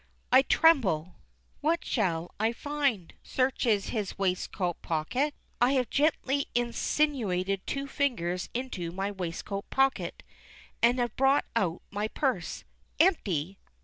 I tremble. What shall I find? [Searches his waistcoat pocket. I have gently insinuated two fingers into my waistcoat pocket, and have brought out my purse. Empty!